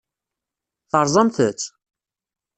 Terẓamt-tt?